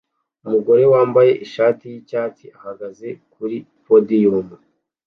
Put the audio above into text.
Umugore wambaye ishati yicyatsi ahagaze kuri podium